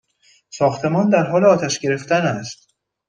ساختمان در حال آتش گرفتن است!